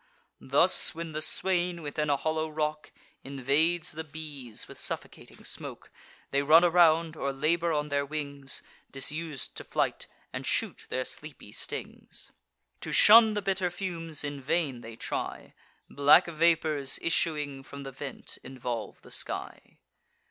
Thus, when the swain, within a hollow rock, Invades the bees with suffocating smoke, They run around, or labour on their wings, Disus'd to flight, and shoot their sleepy stings; To shun the bitter fumes in vain they try; Black vapours, issuing from the vent, involve the sky.